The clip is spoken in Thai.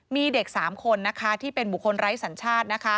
มีเด็ก๓คนที่เป็นบุคคลไร้สัญชาติ